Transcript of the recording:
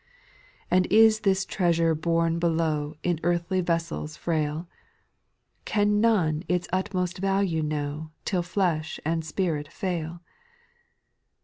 6. And is this treasure borne below In earthly vessels frail ? Can none its utmost value know Till flesh and spirit fail